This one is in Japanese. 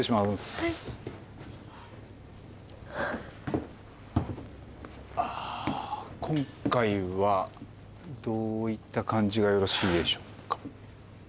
はい今回はどういった感じがよろしいでしょうか？